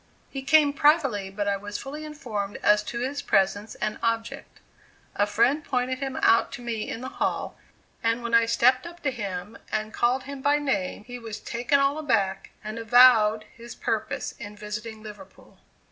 He came privately, but I was fully informed as to his presence and object. A friend pointed him out to me in the hall, and when I stepped up to him, and called him by name, he was "taken all aback," and avowed his purpose in visiting Liverpool.